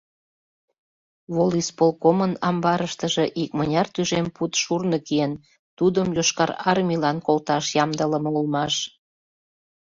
Волисполкомын амбарыштыже икмыняр тӱжем пуд шурно киен, тудым Йошкар Армийлан колташ ямдылыме улмаш.